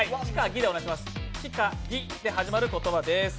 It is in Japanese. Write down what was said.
「き」か「ぎ」で始まる言葉です。